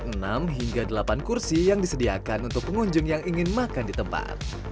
enam hingga delapan kursi yang disediakan untuk pengunjung yang ingin makan di tempat